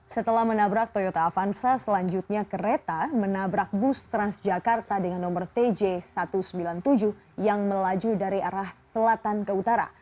setelah menabrak toyota avanza selanjutnya kereta menabrak bus transjakarta dengan nomor tj satu ratus sembilan puluh tujuh yang melaju dari arah selatan ke utara